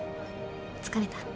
疲れた？